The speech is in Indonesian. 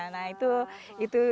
nah itu itu sih